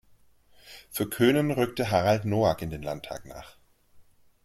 Für Coenen rückte Harald Noack in den Landtag nach.